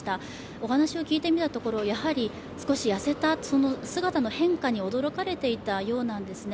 お話を聞いてみたところやはり少し痩せた姿の変化に驚かれていたようなんですね。